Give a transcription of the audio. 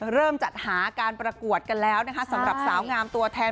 เริ่มจัดหาการประกวดกันแล้วนะคะสำหรับสาวงามตัวแทน